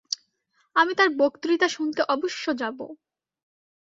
আমি তাঁর বক্তৃতা শুনতে অবশ্য যাব।